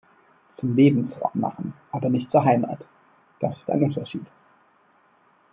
Zum Lebensraum machen, aber nicht zur Heimat, das ist ein Unterschied.